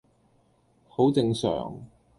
好正常